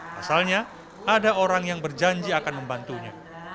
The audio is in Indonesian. pasalnya ada orang yang berjanji akan membantunya